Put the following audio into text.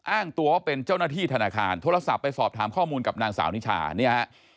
อ้างตัวว่าเป็นเจ้าหน้าที่ธนาคารโทรศัพท์ไปสอบถามข้อมูลกับนางสาวนิชาเนี่ยฮะ